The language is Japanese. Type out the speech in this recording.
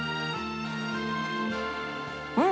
うん。